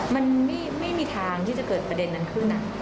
มันไม่มีทางที่จะเกิดประเด็นนั้นขึ้น